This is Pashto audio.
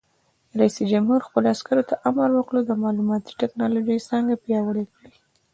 رئیس جمهور خپلو عسکرو ته امر وکړ؛ د معلوماتي تکنالوژۍ څانګه پیاوړې کړئ!